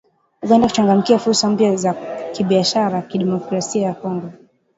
Uganda kuchangamkia fursa mpya za kibiashara Demokrasia ya Kongo